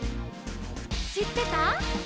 「しってた？」